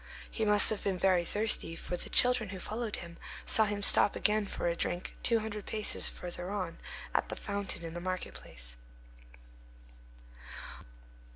He must have been very thirsty: for the children who followed him saw him stop again for a drink, two hundred paces further on, at the fountain in the market place.